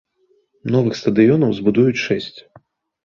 Новых стадыёнаў збудуюць шэсць.